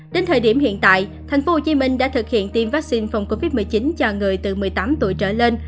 đến thời điểm hiện tại tp hcm đã thực hiện tiêm vaccine phòng covid một mươi chín cho người từ một mươi tám tuổi trở lên